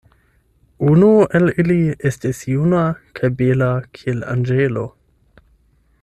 Unu el ili estis juna kaj bela kiel anĝelo.